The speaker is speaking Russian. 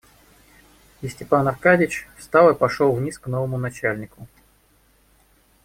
И Степан Аркадьич встал и пошел вниз к новому начальнику.